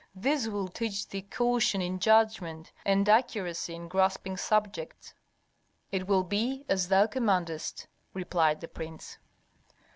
This will teach thee caution in judgment and accuracy in grasping subjects." "It will be as thou commandest," replied the prince.